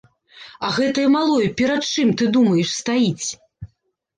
А гэтае малое перад чым, ты думаеш, стаіць?